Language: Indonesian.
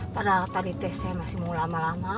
padahal tadi teh saya masih mau lama lama